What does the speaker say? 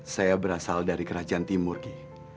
saya berasal dari kerajaan timur ki